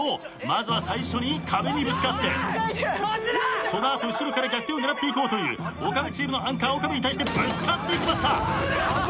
まずは最初に壁にぶつかってその後後ろから逆転を狙っていこうという岡部チームのアンカー岡部に対してぶつかっていきました。